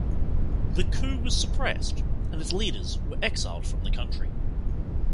The coup was suppressed and its leaders were exiled from the country.